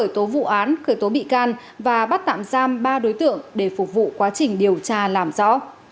tố vụ án khởi tố bị can và bắt tạm giam ba đối tượng để phục vụ quá trình điều tra làm rõ